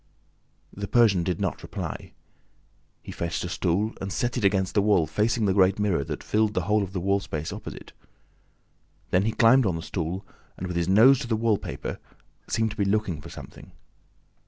The Persian did not reply. He fetched a stool and set it against the wall facing the great mirror that filled the whole of the wall space opposite. Then he climbed on the stool and, with his nose to the wallpaper, seemed to be looking for something.